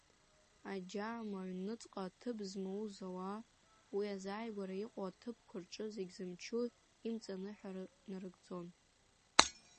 Аџьаама аҩныҵҟа аҭыԥ змоуз ауаа, уи азааигәара иҟоу аҭыԥқәа рҿы Зегь Зымчу имҵаныҳәара нарыгӡон.